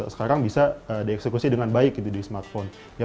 sekarang bisa dieksekusi dengan baik di smartphone